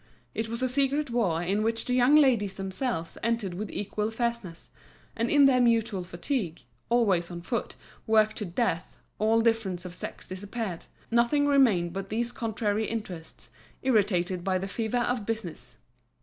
It was a secret war, in which the young ladies themselves entered with equal fierceness; and in their mutual fatigue, always on foot, worked to death, all difference of sex disappeared, nothing remained but these contrary interests, irritated by the fever of business.